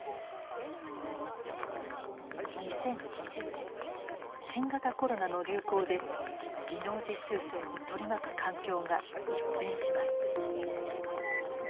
２０２０年新型コロナの流行で技能実習生を取り巻く環境が一変します。